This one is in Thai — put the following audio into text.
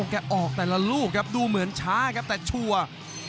แกออกแต่ละลูกครับดูเหมือนช้าครับแต่ชัวร์